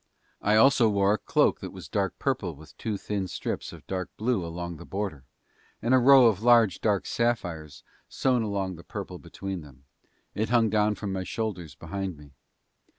I also wore a cloak that was dark purple with two thin strips of dark blue along the border and a row of large dark sapphires sewn along the purple between them; it hung down from my shoulders behind me.